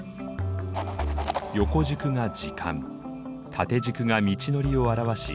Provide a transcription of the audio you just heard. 横軸が時間縦軸が道のりを表し